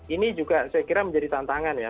ini juga saya kira menjadi tantangan ya